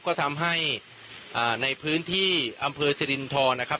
ก็ทำให้ในพื้นที่อำเภอสิรินทรนะครับ